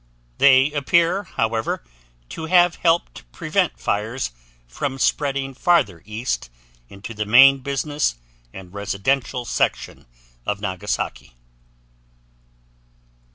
They appear, however, to have helped prevent fires from spreading farther east into the main business and residential section of Nagasaki.